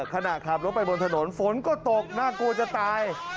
ขณะขับรถไปบนถนนฝนก็ตกน่ากลัวจะตาย